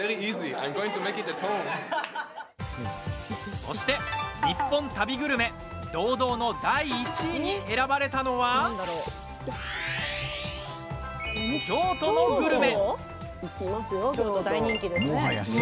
そしてニッポン旅グルメ堂々の第１位に選ばれたのは京都のグルメ。